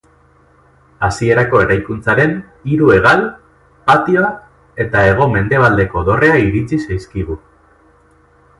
Hasierako eraikuntzaren hiru hegal, patioa eta hego-mendebaldeko dorrea iritsi zaizkigu.